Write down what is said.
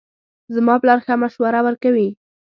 زما پلار ښه مشوره ورکوي